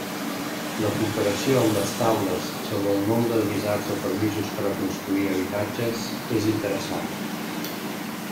La comparació amb les taules sobre el nombre de visats o permisos per a construir habitatges és interessant.